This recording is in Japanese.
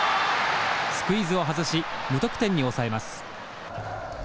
スクイズを外し無得点に抑えます。